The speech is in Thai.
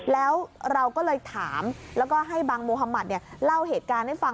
แล้วเราก็เลยถามแล้วก็ให้บางโมฮามัติเล่าเหตุการณ์ให้ฟัง